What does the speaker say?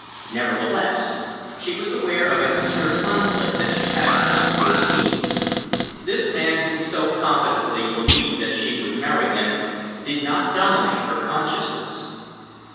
Nevertheless, she was aware of an inner conflict that she had not foreseen. This man who so confidently believed that she would marry him did not dominate her consciousness.